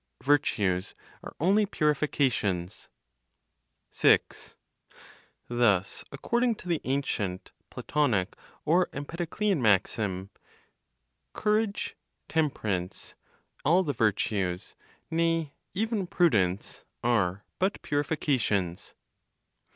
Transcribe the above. VIRTUES ARE ONLY PURIFICATIONS. 6. Thus, according to the ancient (Platonic or Empedoclean) maxim, "courage, temperance, all the virtues, nay, even prudence, are but purifications."